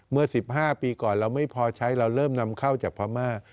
เมื่อ๑๕ปีก่อนเราไม่พอใช้เราเริ่มนำเข้าจากพม่า